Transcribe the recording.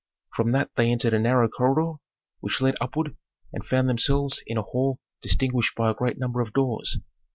From that they entered a narrow corridor, which led upward, and found themselves in a hall distinguished by a great number of doors.